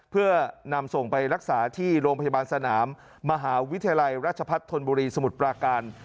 เพื่อนำส่งไปรักษาที่โรงพยาบาลสนามมหาวิทยาลัยราชพัฒนธนบุรีสมุทรปราการ